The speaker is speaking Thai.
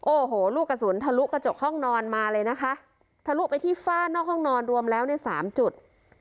โอ้โหลูกกระสุนทะลุกระจกห้องนอนมาเลยนะคะทะลุไปที่ฝ้านอกห้องนอนรวมแล้วในสามจุด